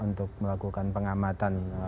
untuk melakukan pengamatan